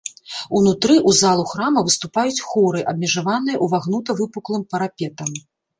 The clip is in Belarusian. Унутры ў залу храма выступаюць хоры, абмежаваныя ўвагнута-выпуклым парапетам.